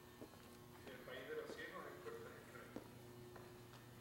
En el país de los ciegos el tuerto es el rey.